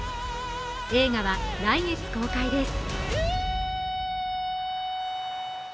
映画は来月公開です。